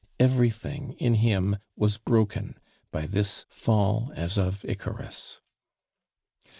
Everything in him was broken by this fall as of Icarus.